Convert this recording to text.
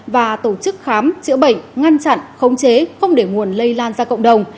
và tổ chức khám chữa bệnh ngăn chặn khống chế không để nguồn lây lan ra cộng đồng